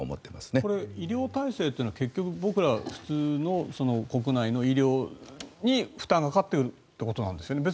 これ、医療体制は普通の国内の医療体制に負担がかかっているということなんですよね。